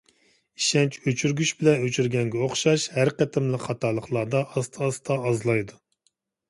ئىشەنچ ئۆچۈرگۈچ بىلەن ئۆچۈرگەنگە ئوخشايدۇ، ھەر قېتىملىق خاتالىقلاردا ئاستا-ئاستا ئازلايدۇ.